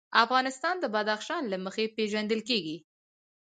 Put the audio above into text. افغانستان د بدخشان له مخې پېژندل کېږي.